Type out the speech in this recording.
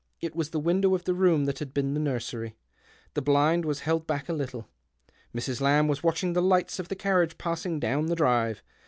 It was the window of the room that had been the nursery. The l)lind was held back a little ; Mrs. Laml) was watching the lights of the carriage passing down the drive.